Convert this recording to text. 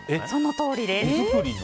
そのとおりです。